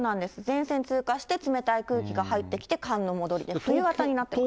前線通過して、冷たい空気が入ってきて、寒の戻りで、冬型になってます。